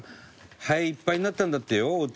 ハエ、いっぱいになったんだってよ、おうち。